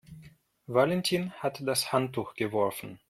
Valentin hat das Handtuch geworfen.